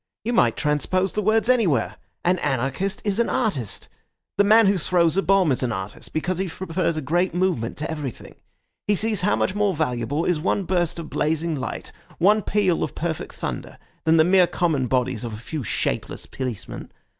"You might transpose the words anywhere. An anarchist is an artist. The man who throws a bomb is an artist, because he prefers a great moment to everything. He sees how much more valuable is one burst of blazing light, one peal of perfect thunder, than the mere common bodies of a few shapeless policemen.